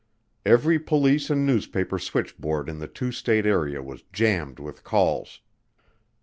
Every police and newspaper switchboard in the two state area was jammed with calls.